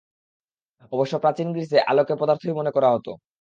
অবশ্য প্রাচীন গ্রীসে আলোকে পদার্থই মনে করা হত।